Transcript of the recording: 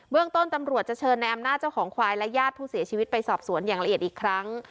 เรื่องต้นตำรวจจะเชิญในอำนาจเจ้าของควายและญาติผู้เสียชีวิตไปสอบสวนอย่างละเอียดอีกครั้ง